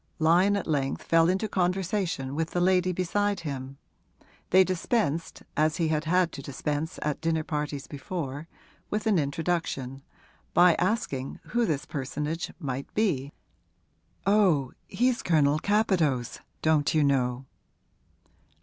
Lyon at length fell into conversation with the lady beside him they dispensed, as he had had to dispense at dinner parties before, with an introduction by asking who this personage might be. 'Oh, he's Colonel Capadose, don't you know?'